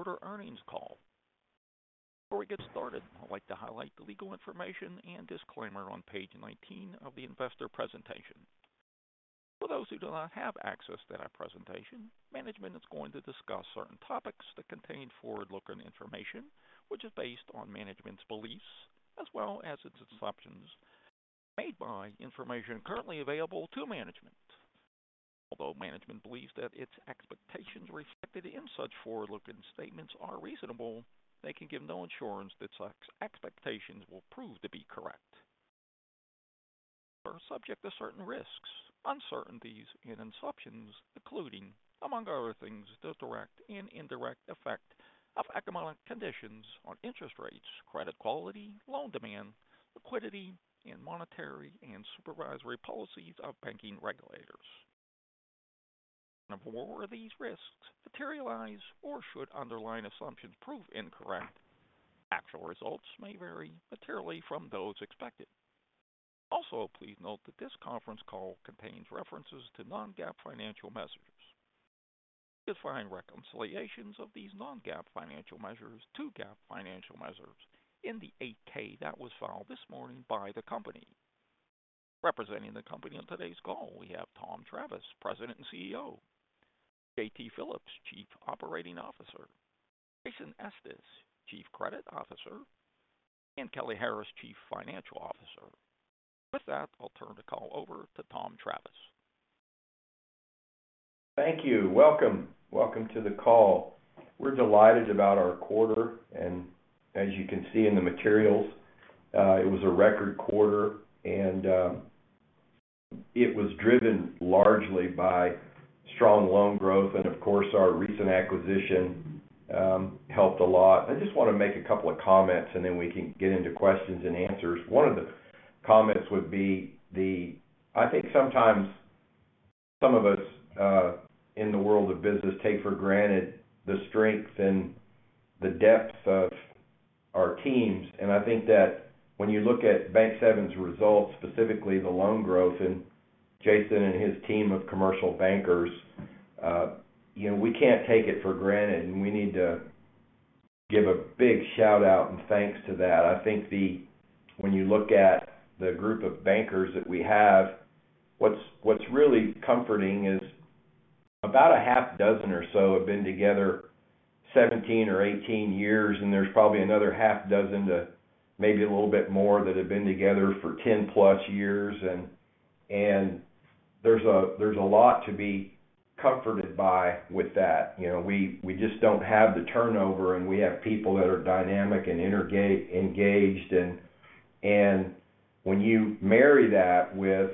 Second quarter earnings call. Before we get started, I'd like to highlight the legal information and disclaimer on page 19 of the investor presentation. For those who do not have access to that presentation, management is going to discuss certain topics that contain forward-looking information, which is based on management's beliefs as well as its assumptions made by information currently available to management. Although management believes that its expectations reflected in such forward-looking statements are reasonable, they can give no assurance that such expectations will prove to be correct. They are subject to certain risks, uncertainties, and assumptions, including, among other things, the direct and indirect effect of economic conditions on interest rates, credit quality, loan demand, liquidity, and monetary and supervisory policies of banking regulators. If one or more of these risks materialize or should underlying assumptions prove incorrect, actual results may vary materially from those expected. Also, please note that this conference call contains references to non-GAAP financial measures. You can find reconciliations of these non-GAAP financial measures to GAAP financial measures in the 8-K that was filed this morning by the company. Representing the company on today's call, we have Tom Travis, President and CEO, J.T. Phillips, Chief Operating Officer, Jason Estes, Chief Credit Officer, and Kelly Harris, Chief Financial Officer. With that, I'll turn the call over to Tom Travis. Thank you. Welcome. Welcome to the call. We're delighted about our quarter. As you can see in the materials, it was a record quarter, and it was driven largely by strong loan growth and of course, our recent acquisition helped a lot. I just want to make a couple of comments, and then we can get into questions and answers. One of the comments would be I think sometimes some of us in the world of business take for granted the strength and the depths of our teams. I think that when you look at Bank7's results, specifically the loan growth and Jason and his team of commercial bankers, you know, we can't take it for granted, and we need to give a big shout out and thanks to that. I think when you look at the group of bankers that we have, what's really comforting is about a [half dozen] or so have been together 17 or 18 years, and there's probably another [half dozen] maybe a little bit more that have been together for 10+ years. There's a lot to be comforted by with that. You know, we just don't have the turnover, and we have people that are dynamic and integrated engaged. When you marry that with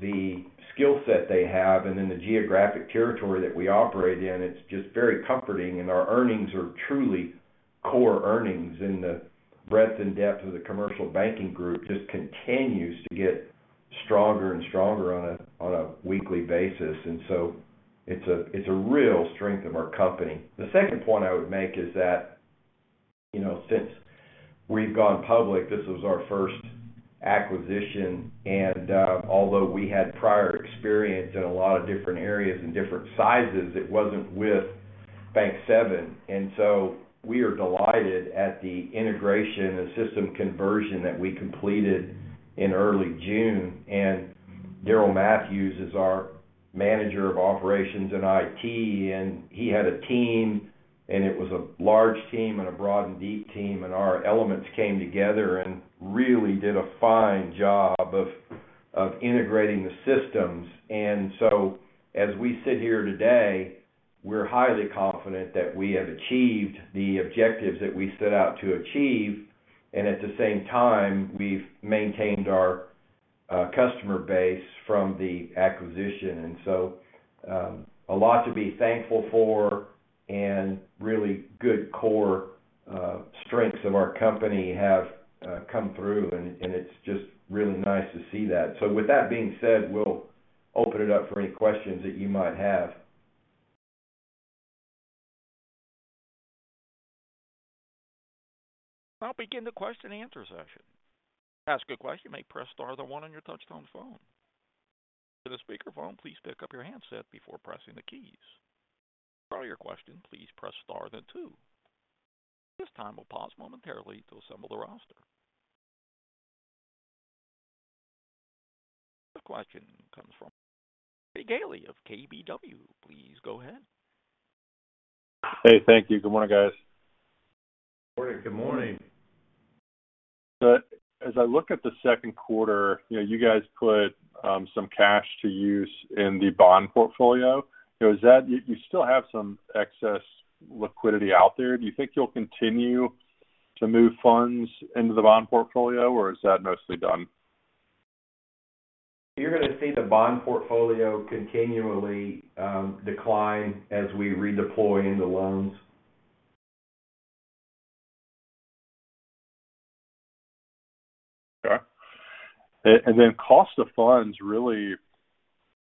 the skill set they have and then the geographic territory that we operate in, it's just very comforting. Our earnings are truly core earnings, and the breadth and depth of the commercial banking group just continues to get stronger and stronger on a weekly basis. It's a real strength of our company. The second point I would make is that, you know, since we've gone public, this was our first acquisition. Although we had prior experience in a lot of different areas and different sizes, it wasn't with Bank7. We are delighted at the integration and system conversion that we completed in early June. Darrell Mathews is our Manager of Operations in IT, and he had a team, and it was a large team and a broad and deep team. Our elements came together and really did a fine job of integrating the systems. As we sit here today, we're highly confident that we have achieved the objectives that we set out to achieve. At the same time, we've maintained our customer base from the acquisition. A lot to be thankful for and really good core strengths of our company have come through. It's just really nice to see that. With that being said, we'll open it up for any questions that you might have. I'll begin the question and answer session. To ask a question, you may press star then one on your touchtone phone. If you're on a speakerphone, please pick up your handset before pressing the keys. To withdraw your question, please press star then two. At this time, we'll pause momentarily to assemble the roster. The question comes from Brady Gailey of KBW. Please go ahead. Hey, thank you. Good morning, guys. Good morning. Good morning. As I look at the second quarter, you know, you guys put some cash to use in the bond portfolio. You know, is that, do you still have some excess liquidity out there? Do you think you'll continue to move funds into the bond portfolio, or is that mostly done? You're going to see the bond portfolio continually decline as we redeploy into loans. Okay. Cost of funds really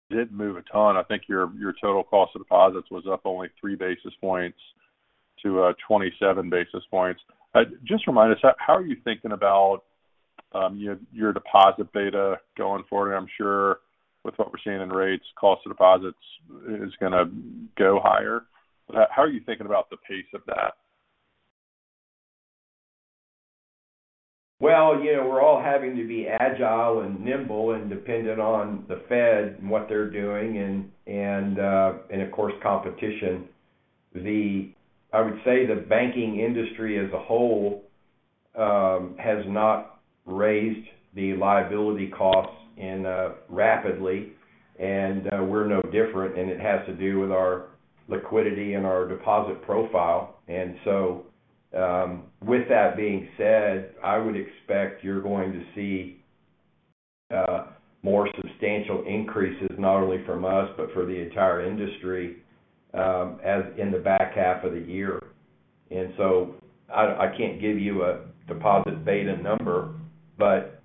didn't move a ton. I think your total cost of deposits was up only 3 basis points to 27 basis points. Just remind us, how are you thinking about, you know, your deposit beta going forward. I'm sure with what we're seeing in rates, cost of deposits is gonna go higher. How are you thinking about the pace of that? Well, you know, we're all having to be agile and nimble and dependent on the Fed and what they're doing and of course, competition. I would say the banking industry as a whole has not raised the liability costs rapidly, and we're no different, and it has to do with our liquidity and our deposit profile. With that being said, I would expect you're going to see more substantial increases, not only from us, but for the entire industry, as in the back half of the year. I can't give you a deposit beta number, but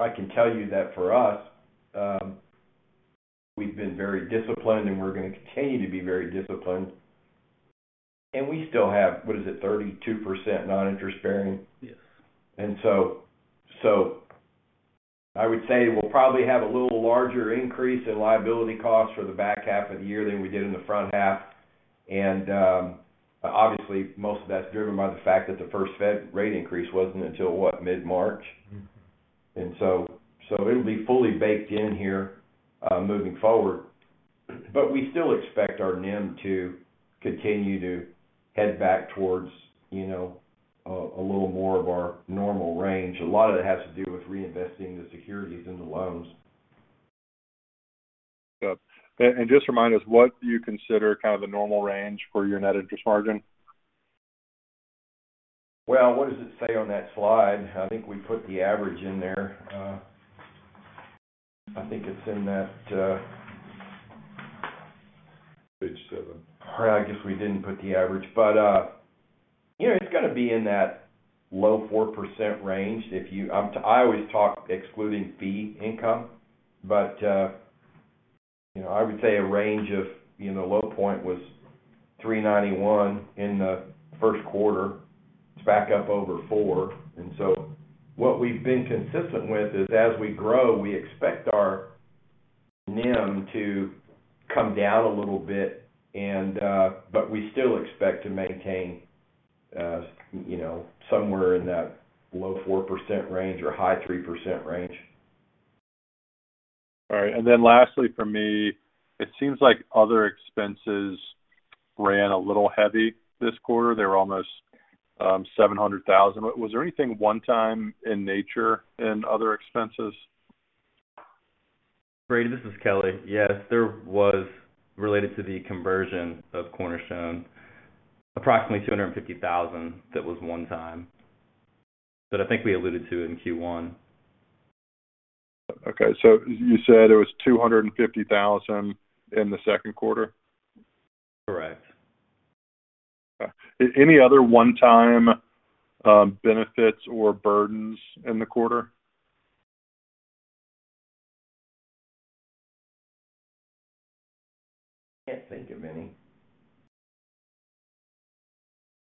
I can tell you that for us, we've been very disciplined, and we're gonna continue to be very disciplined. We still have, what is it, 32% non-interest bearing. Yes. I would say we'll probably have a little larger increase in liability costs for the back half of the year than we did in the front half. Obviously, most of that's driven by the fact that the first Fed rate increase wasn't until, what, mid-March. Mm-hmm. It'll be fully baked in here moving forward. We still expect our NIM to continue to head back towards, you know, a little more of our normal range. A lot of it has to do with reinvesting the securities in the loans. Yep. Just remind us, what do you consider kind of the normal range for your net interest margin? Well, what does it say on that slide? I think we put the average in there. I think it's in that. Page 7. I guess we didn't put the average. You know, it's gotta be in that low 4% range. I always talk excluding fee income. You know, I would say a range of, you know, low point was 3.91 in the first quarter. It's back up over four. What we've been consistent with is as we grow, we expect our NIM to come down a little bit and we still expect to maintain, you know, somewhere in that low 4% range or high 3% range. All right. Lastly for me, it seems like other expenses ran a little heavy this quarter. They were almost $700 thousand. Was there anything one time in nature in other expenses? Brady, this is Kelly. Yes, there was, related to the conversion of Cornerstone. Approximately $250,000 that was one time. I think we alluded to it in Q1. Okay. You said it was $250,000 in the second quarter? Correct. Okay. Any other one time benefits or burdens in the quarter? Can't think of any.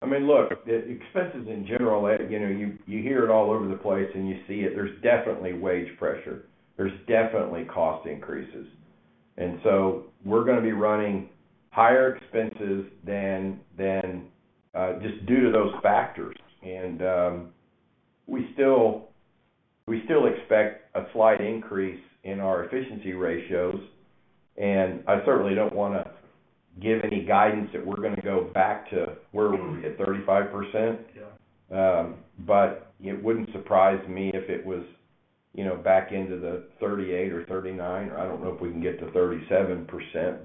I mean, look, the expenses in general, you know, you hear it all over the place and you see it, there's definitely wage pressure. There's definitely cost increases. We're gonna be running higher expenses than just due to those factors. We still expect a slight increase in our efficiency ratio. I certainly don't wanna give any guidance that we're gonna go back to where we were at 35%. Yeah. It wouldn't surprise me if it was, you know, back into the 38% or 39%, or I don't know if we can get to 37%.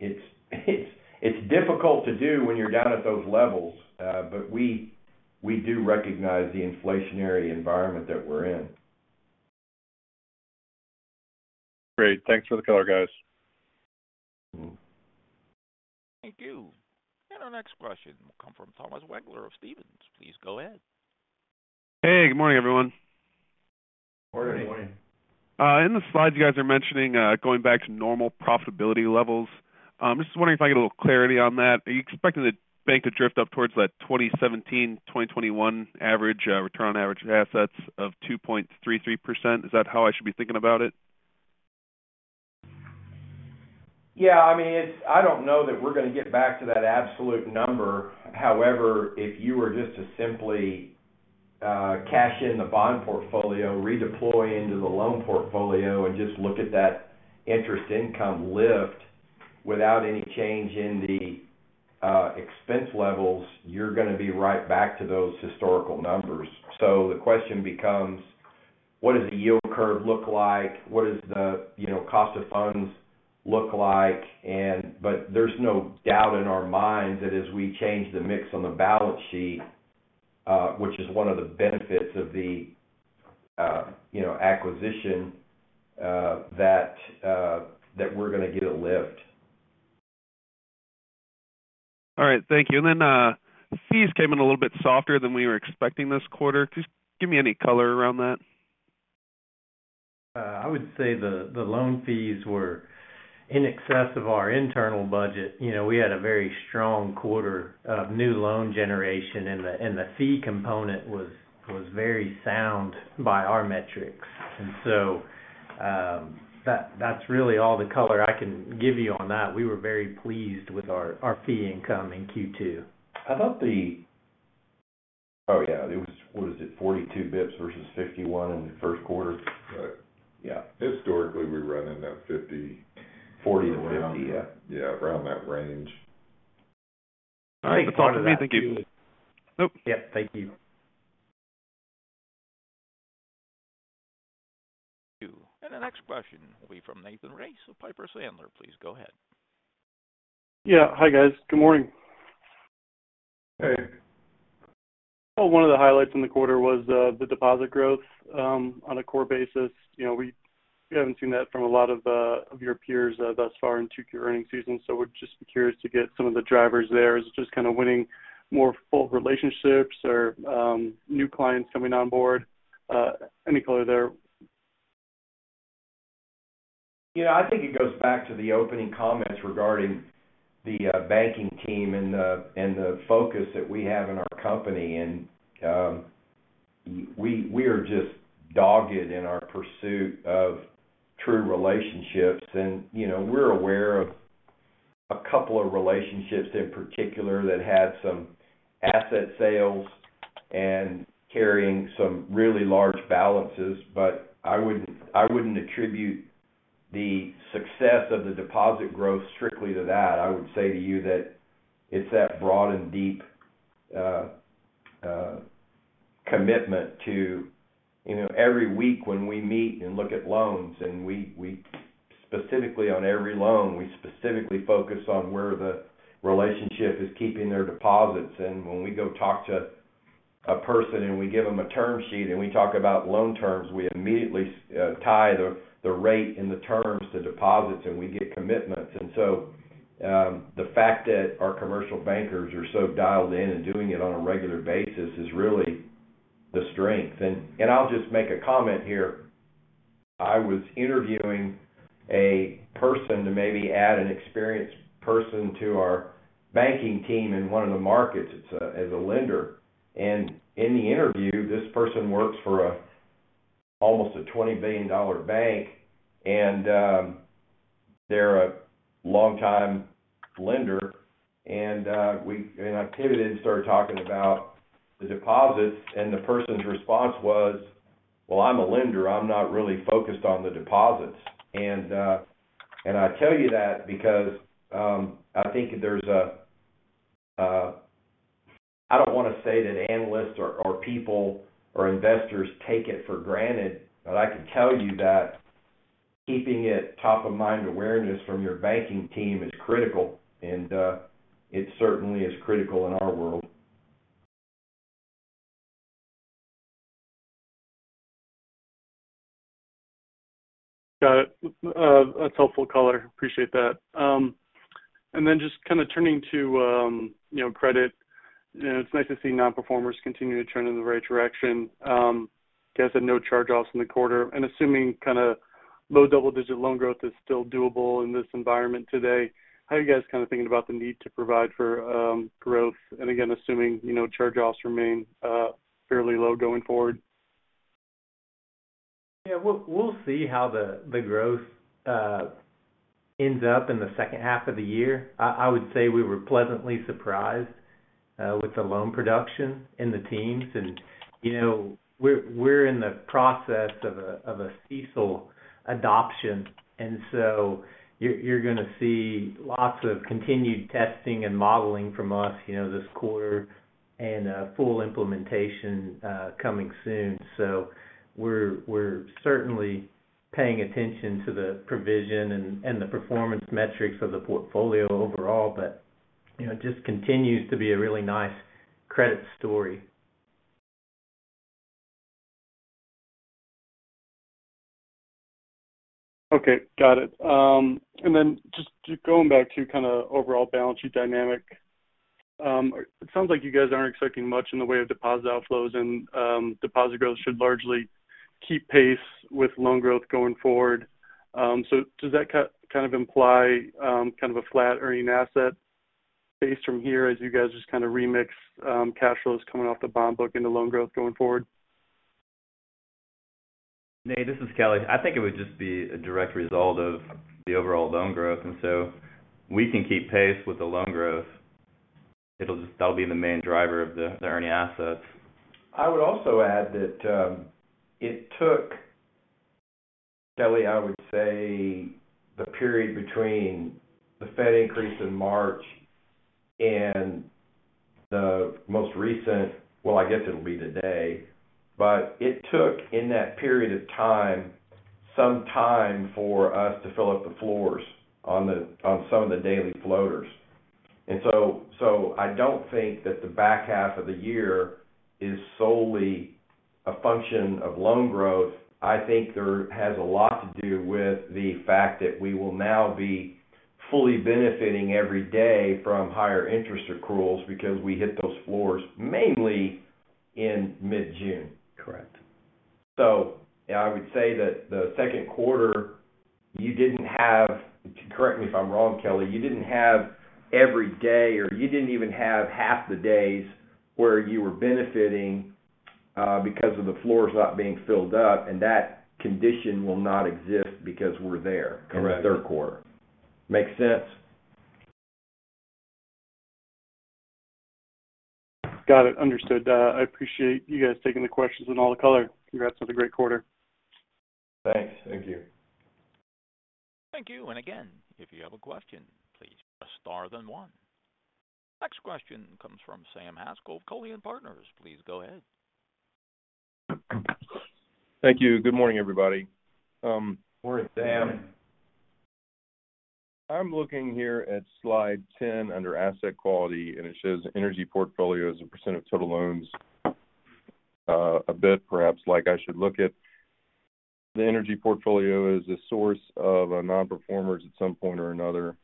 It's difficult to do when you're down at those levels. We do recognize the inflationary environment that we're in. Great. Thanks for the color, guys. Mm-hmm. Thank you. Our next question will come from Thomas Wagler of Stephens. Please go ahead. Hey, good morning, everyone. Morning. In the slides, you guys are mentioning going back to normal profitability levels. I'm just wondering if I can get a little clarity on that. Are you expecting the bank to drift up towards that 2017-2021 average return on average assets of 2.33%? Is that how I should be thinking about it? Yeah. I mean, I don't know that we're gonna get back to that absolute number. However, if you were just to simply cash in the bond portfolio, redeploy into the loan portfolio, and just look at that interest income lift without any change in the expense levels, you're gonna be right back to those historical numbers. The question becomes what does the yield curve look like? What does the, you know, cost of funds look like? There's no doubt in our minds that as we change the mix on the balance sheet, which is one of the benefits of the, you know, acquisition, that we're gonna get a lift. All right. Thank you. Fees came in a little bit softer than we were expecting this quarter. Just give me any color around that. I would say the loan fees were in excess of our internal budget. You know, we had a very strong quarter of new loan generation, and the fee component was very sound by our metrics. That's really all the color I can give you on that. We were very pleased with our fee income in Q2. I thought. Oh, yeah, it was what was it? 42 basis points versus 51 in the first quarter. Right. Yeah. Historically, we run in that 50. 40-50, yeah. Yeah, around that range. All right. That's all for me. Thank you. Yep, thank you. The next question will be from Nathan Race of Piper Sandler. Please go ahead. Yeah. Hi, guys. Good morning. Hey. Well, one of the highlights in the quarter was the deposit growth on a core basis. You know, we haven't seen that from a lot of your peers thus far in 2Q earnings seasons. We're just curious to get some of the drivers there. Is it just kind of winning more full relationships or new clients coming on board? Any color there? You know, I think it goes back to the opening comments regarding the banking team and the focus that we have in our company. We are just dogged in our pursuit of true relationships. You know, we're aware of a couple of relationships in particular that had some asset sales and carrying some really large balances. But I wouldn't attribute the success of the deposit growth strictly to that. I would say to you that it's that broad and deep commitment to. You know, every week when we meet and look at loans, and we specifically on every loan focus on where the relationship is keeping their deposits. When we go talk to a person, and we give them a term sheet, and we talk about loan terms, we immediately tie the rate and the terms to deposits, and we get commitments. The fact that our commercial bankers are so dialed in and doing it on a regular basis is really the strength. I'll just make a comment here. I was interviewing a person to maybe add an experienced person to our banking team in one of the markets as a lender. In the interview, this person works for almost a $20 billion bank, and they're a longtime lender. I pivoted and started talking about the deposits, and the person's response was, "Well, I'm a lender. I'm not really focused on the deposits." I tell you that because I think I don't wanna say that analysts or people or investors take it for granted, but I can tell you that keeping it top-of-mind awareness from your banking team is critical. It certainly is critical in our world. Got it. That's helpful color. Appreciate that. Just kinda turning to, you know, credit. You know, it's nice to see nonperformers continue to trend in the right direction. You guys had no charge-offs in the quarter. Assuming kinda low double-digit loan growth is still doable in this environment today, how are you guys kinda thinking about the need to provide for growth? Again, assuming, you know, charge-offs remain fairly low going forward. Yeah. We'll see how the growth ends up in the second half of the year. I would say we were pleasantly surprised with the loan production in the teens. You know, we're in the process of a CECL adoption, so you're gonna see lots of continued testing and modeling from us, you know, this quarter and a full implementation coming soon. We're certainly paying attention to the provision and the performance metrics of the portfolio overall. You know, it just continues to be a really nice credit story. Okay, got it. Just going back to kinda overall balance sheet dynamic. It sounds like you guys aren't expecting much in the way of deposit outflows and deposit growth should largely keep pace with loan growth going forward. Does that kind of imply kind of a flat earning asset base from here as you guys just kinda remix cash flows coming off the bond book into loan growth going forward? Nate, this is Kelly. I think it would just be a direct result of the overall loan growth, and so we can keep pace with the loan growth. That'll be the main driver of the earning assets. I would also add that, it took, Kelly, I would say the period between the Fed increase in March and the most recent. Well, I guess it'll be today. It took, in that period of time, some time for us to fill up the floors on some of the daily floaters. So, I don't think that the back half of the year is solely a function of loan growth. I think there has a lot to do with the fact that we will now be fully benefiting every day from higher interest accruals because we hit those floors mainly in mid-June. Correct. I would say that the second quarter, you didn't have. Correct me if I'm wrong, Kelly, you didn't have every day or you didn't even have half the days where you were benefiting, because of the floors not being filled up, and that condition will not exist because we're there. Correct. In the third quarter. Make sense? Got it. Understood. I appreciate you guys taking the questions and all the color. Congrats on the great quarter. Thanks. Thank you. Thank you. Again, if you have a question, please press star then one. Next question comes from [Sam] Haines of Cowen and Company. Please go ahead. Thank you. Good morning, everybody. Morning, Sam. I'm looking here at slide 10 under asset quality, and it shows energy portfolio as a % of total loans, a bit perhaps like I should look at the energy portfolio as a source of non-performers at some point or another.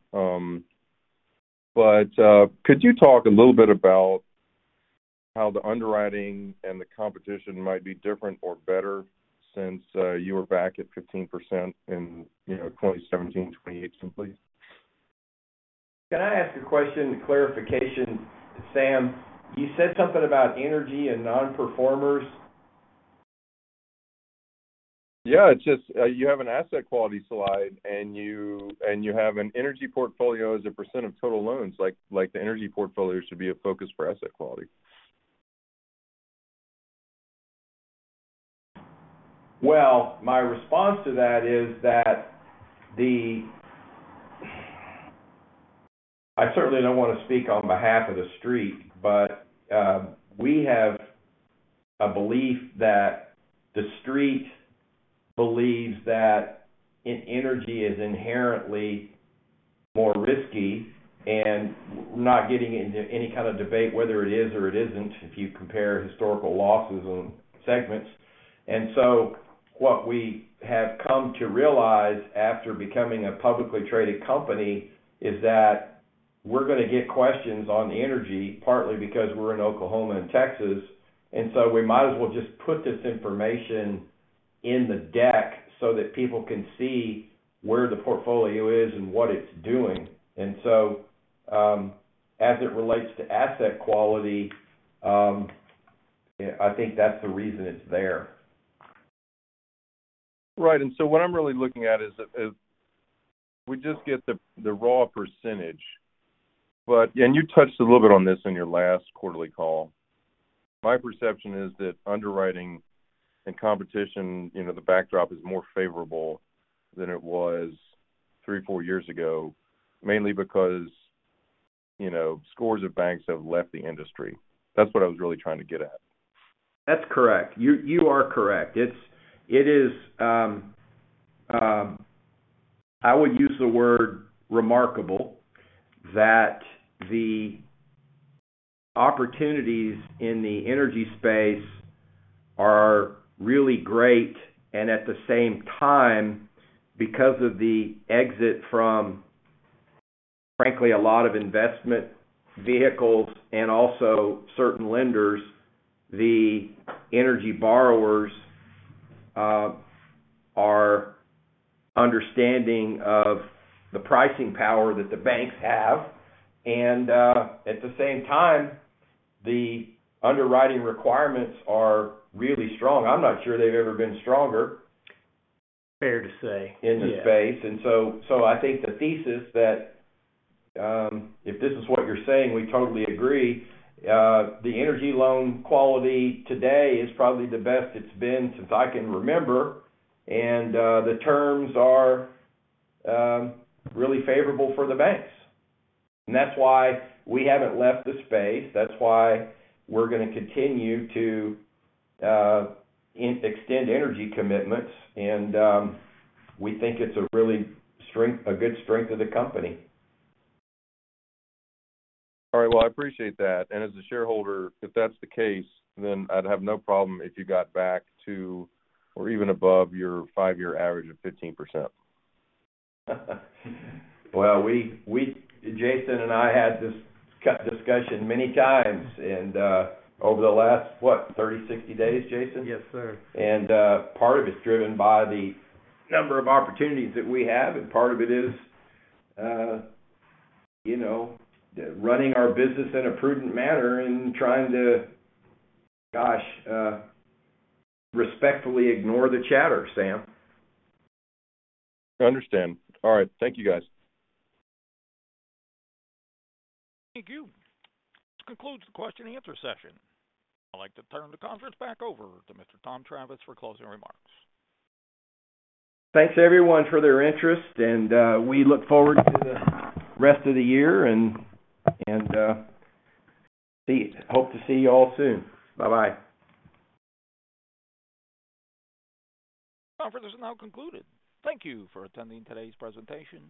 Could you talk a little bit about how the underwriting and the competition might be different or better since you were back at 15% in, you know, 2017, 2018, please? Can I ask a question clarification, Sam? You said something about energy and non-performers. Yeah. It's just, you have an asset quality slide and you have an energy portfolio as a % of total loans, like the energy portfolio should be a focus for asset quality. Well, my response to that is that I certainly don't wanna speak on behalf of The Street, but we have a belief that The Street believes that in energy is inherently more risky and not getting into any kind of debate whether it is or it isn't, if you compare historical losses on segments. What we have come to realize after becoming a publicly traded company is that we're gonna get questions on energy, partly because we're in Oklahoma and Texas, and so we might as well just put this information in the deck so that people can see where the portfolio is and what it's doing. As it relates to asset quality, yeah, I think that's the reason it's there. Right. What I'm really looking at is if we just get the raw percentage, but. You touched a little bit on this in your last quarterly call. My perception is that underwriting and competition, you know, the backdrop is more favorable than it was three-four years ago, mainly because, you know, scores of banks have left the industry. That's what I was really trying to get at. That's correct. You are correct. It is remarkable that the opportunities in the energy space are really great, and at the same time, because of the exit from, frankly, a lot of investment vehicles and also certain lenders, the energy borrowers are understanding of the pricing power that the banks have. At the same time, the underwriting requirements are really strong. I'm not sure they've ever been stronger. Fair to say, yeah. In this space. I think the thesis that, if this is what you're saying, we totally agree. The energy loan quality today is probably the best it's been since I can remember, and the terms are really favorable for the banks. That's why we haven't left the space. That's why we're gonna continue to extend energy commitments. We think it's a really good strength of the company. All right. Well, I appreciate that. As a shareholder, if that's the case, then I'd have no problem if you got back to or even above your five year average of 15%. Well, Jason and I had this kind of discussion many times and over the last, what, 30, 60 days, Jason? Yes, sir. Part of it's driven by the number of opportunities that we have, and part of it is, you know, running our business in a prudent manner and trying to, gosh, respectfully ignore the chatter, Sam. I understand. All right. Thank you, guys. Thank you. This concludes the question and answer session. I'd like to turn the conference back over to Mr. Tom Travis for closing remarks. Thanks everyone for their interest, and we look forward to the rest of the year and hope to see you all soon. Bye-bye. Conference is now concluded. Thank you for attending today's presentation.